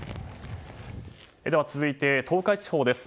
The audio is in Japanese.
続いて東海地方です。